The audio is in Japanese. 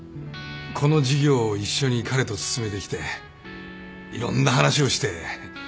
この事業を一緒に彼と進めてきていろんな話をして。